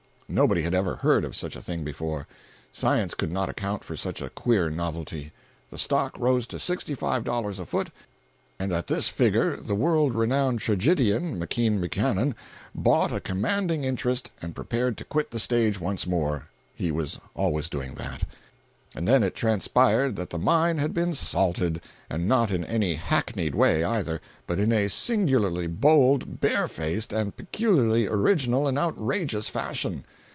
Nobody had ever heard of such a thing before; science could not account for such a queer novelty. The stock rose to sixty five dollars a foot, and at this figure the world renowned tragedian, McKean Buchanan, bought a commanding interest and prepared to quit the stage once more—he was always doing that. And then it transpired that the mine had been "salted"—and not in any hackneyed way, either, but in a singularly bold, barefaced and peculiarly original and outrageous fashion.